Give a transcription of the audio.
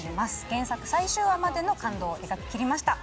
原作最終話までの感動を描き切りました。